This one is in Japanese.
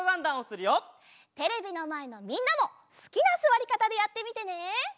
テレビのまえのみんなもすきなすわりかたでやってみてね！